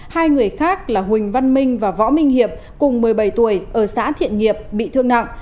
hai người khác là huỳnh văn minh và võ minh hiệp cùng một mươi bảy tuổi ở xã thiện nghiệp bị thương nặng